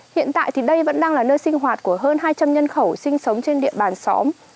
hiện tại thì đây vẫn đang là nơi sinh hoạt của hơn hai trăm linh nhân khẩu sinh sống trên địa bàn xóm